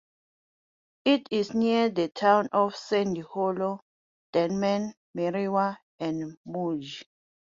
It is near the towns of Sandy Hollow, Denman, Merriwa, and Mudgee.